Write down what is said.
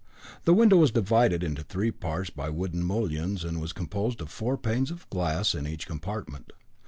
The window was divided into three parts by wooden mullions, and was composed of four panes of glass in each compartment.